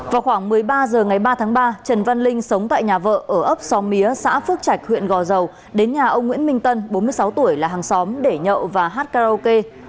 vào khoảng một mươi ba h ngày ba tháng ba trần văn linh sống tại nhà vợ ở ấp xóm mía xã phước trạch huyện gò dầu đến nhà ông nguyễn minh tân bốn mươi sáu tuổi là hàng xóm để nhậu và hát karaoke